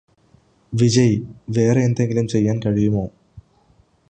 വിജയ് വേറെയെന്തെങ്കിലും ചെയ്യാൻ കഴിയുമോ